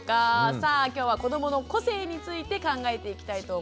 さあきょうは「子どもの個性」について考えていきたいと思います。